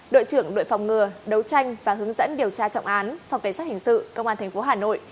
đội trưởng đội phòng ngừa đấu tranh và hướng dẫn điều tra trọng án phòng cảnh sát hình sự công an tp hà nội